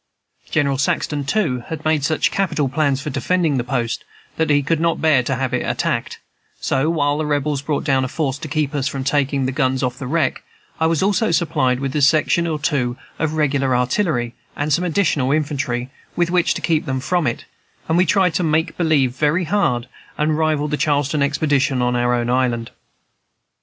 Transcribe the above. General Saxton, too, had made such capital plans for defending the post that he could not bear not to have it attacked; so, while the Rebels brought down a force to keep us from taking the guns off the wreck, I was also supplied with a section or two of regular artillery, and some additional infantry, with which to keep them from it; and we tried to "make believe very hard," and rival the Charleston expedition on our own island.